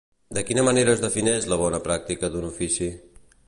De quina manera es defineix la bona pràctica d'un ofici?